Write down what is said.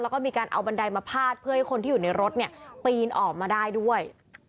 แล้วก็มีการเอาบันไดมาพาดเพื่อให้คนที่อยู่ในรถปีนออกมาได้ด้วย